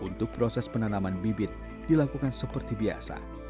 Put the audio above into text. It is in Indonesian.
untuk proses penanaman bibit dilakukan seperti biasa